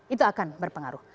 itu akan berpengaruh